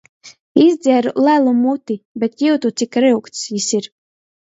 Izdzeru lelu muti, bet jiutu, cik ryugts jis ir.